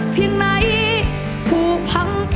ยิ้มชุบ